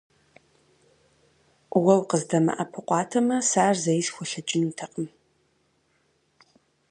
Уэ укъыздэмыӀэпыкъуатэмэ, сэ ар зэи схуэлъэкӀынутэкъым.